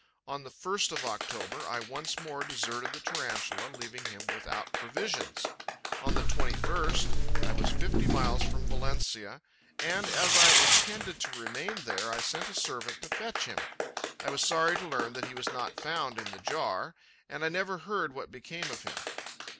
On the 1st of October, I once more deserted the Tarantula, leaving him without provisions. On the 21st, I was fifty miles from Valencia and, as I intended to remain there, I sent a servant to fetch him. I was sorry to learn that he was not found in the jar, and I never heard what became of him.